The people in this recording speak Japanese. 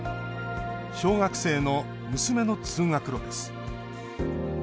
小学生の娘の通学路です。